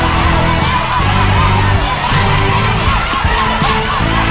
อ๋อไปทีละ๒แท่งเลยครับ